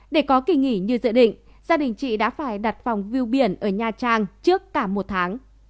để có kỳ nghỉ như dự định gia đình chị đã phải đặt phòng view biển ở nha trang trước cả một tháng